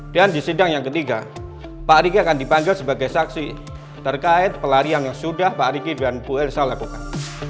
dan di sidang yang ketiga pak riki akan dipanggil sebagai saksi terkait pelarian yang sudah pak riki dan bu elisau lakukan